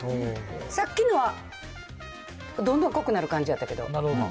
さっきのは、どんどん濃くなる感じやったけど。